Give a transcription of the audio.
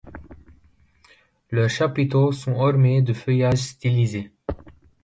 Leurs chapiteaux sont ornés de feuillages stylisés.